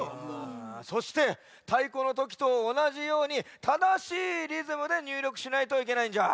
そしてたいこのときとおなじようにただしいリズムでにゅうりょくしないといけないんじゃ。